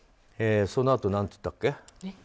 そのあと何て言ったっけ。